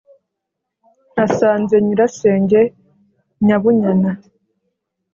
asanze nyirasenge nyabunyana